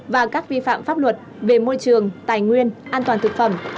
và các vi phạm pháp luật về môi trường tài nguyên an toàn thực phẩm